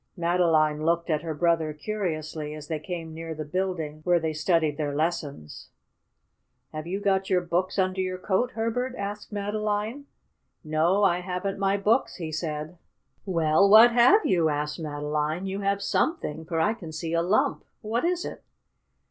Madeline looked at her brother curiously as they came near the building where they studied their lessons. "Have you got your books under your coat, Herbert?" asked Madeline. "No, I haven't my books," he said. "Well, what have you?" asked Madeline. "You have something, for I can see a lump. What is it?"